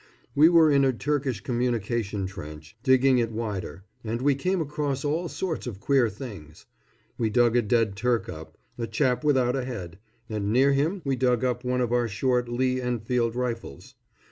We were in a Turkish communication trench, digging it wider, and we came across all sorts of queer things. We dug a dead Turk up, a chap without a head, and near him we dug up one of our short Lee Enfield rifles.